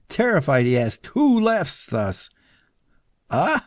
Terrified, he asked "Who laughs thus?" "Ah?